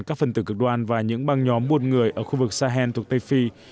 các phần tử cực đoan và những băng nhóm buôn người ở khu vực sahel thuộc tây phi